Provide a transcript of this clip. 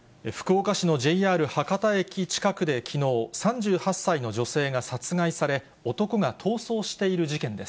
福岡市のＪＲ博多駅近くできのう、３８歳の女性が殺害され、男が逃走している事件です。